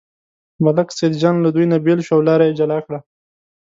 ملک سیدجان له دوی نه بېل شو او لاره یې جلا کړه.